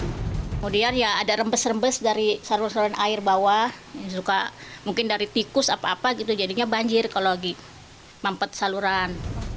kemudian ada rembes rembes dari saluran saluran air bawah mungkin dari tikus atau apa apa jadinya banjir kalau mempet saluran